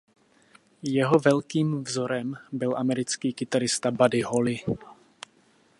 Jeho velkým vzorem byl americký kytarista Buddy Holly.